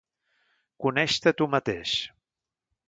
Coneix-te a tu mateix.